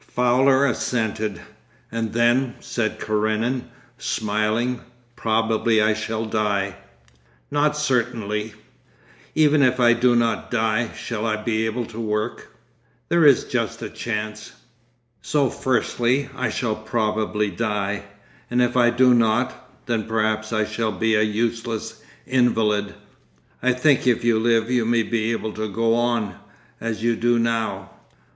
Fowler assented. 'And then,' said Karenin, smiling, 'probably I shall die.' 'Not certainly.' 'Even if I do not die; shall I be able to work?' 'There is just a chance....' 'So firstly I shall probably die, and if I do not, then perhaps I shall be a useless invalid?' 'I think if you live, you may be able to go on—as you do now.